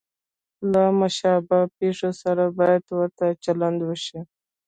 له مشابه پېښو سره باید ورته چلند وشي.